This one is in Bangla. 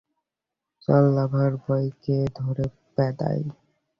চল, লাভার বয়কে ধরে প্যাদাই!